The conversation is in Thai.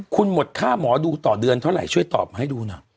คุณหมดค่าหมอดูต่อเดือนเท่าไหร่ช่วยตอบมาให้ดูหน่อย